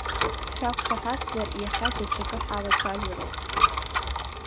Шәақәшаҳаҭзар, иахьа даҽакы ҳалацәажәароуп.